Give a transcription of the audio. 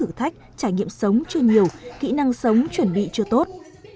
thử thách trải nghiệm sống chưa nhiều kỹ năng sống chuẩn bị chưa tốt